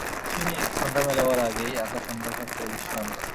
সন্ধ্যা মেলাবার আগেই আকাশ অন্ধকার করে বৃষ্টি নামল।